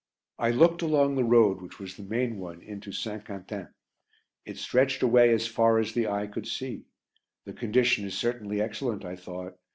I looked along the road which was the main one into St. Quentin; it stretched away as far as the eye could see. The condition is certainly excellent, I thought.